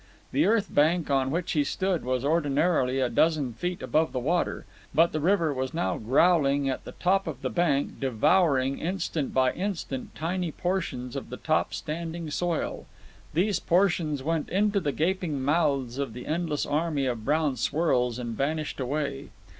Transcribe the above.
The earth bank on which he stood was ordinarily a dozen feet above the water, but the river was now growling at the top of the bank, devouring, instant by instant, tiny portions of the top standing soil. These portions went into the gaping mouths of the endless army of brown swirls and vanished away.